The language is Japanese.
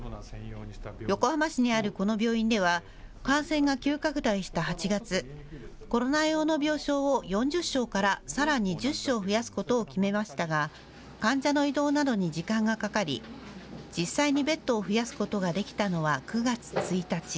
横浜市にあるこの病院では感染が急拡大した８月、コロナ用の病床を４０床からさらに１０床増やすことを決めましたが患者の移動などに時間がかかり実際にベッドを増やすことができたのは９月１日。